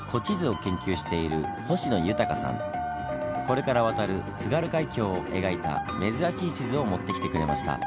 これから渡る津軽海峡を描いた珍しい地図を持ってきてくれました。